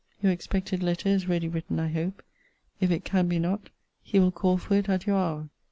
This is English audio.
Your expected letter is ready written I hope: if it can be not, he will call for it at your hour.